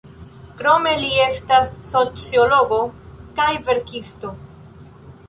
Krome li estas sociologo kaj verkisto.